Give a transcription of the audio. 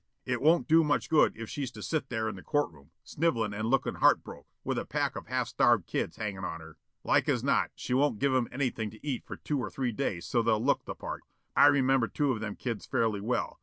"It won't do much good if she's to set there in the Courtroom, snivelling and lookin' heart broke, with a pack of half starved kids hangin' on to her. Like as not, she won't give 'em anything to eat for two or three days so's they'll look the part. I remember two of them kids fairly well.